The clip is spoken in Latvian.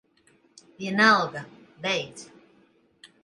Vienalga. Beidz.